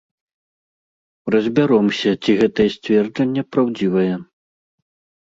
Разбяромся, ці гэта сцверджанне праўдзівае.